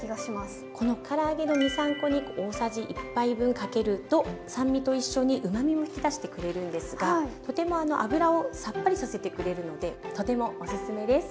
このから揚げの２３コに大さじ１杯分かけると酸味と一緒にうまみも引き出してくれるんですがとても油をさっぱりさせてくれるのでとてもおすすめです。